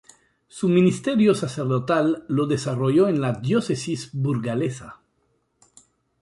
Su ministerio sacerdotal lo desarrolló en la diócesis burgalesa.